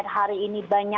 kalau kita melihatnya